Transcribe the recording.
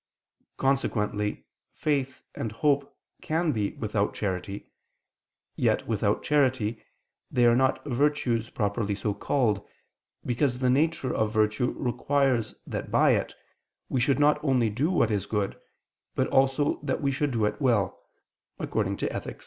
Consequently, faith and hope can be without charity; yet, without charity, they are not virtues properly so called; because the nature of virtue requires that by it, we should not only do what is good, but also that we should do it well (Ethic.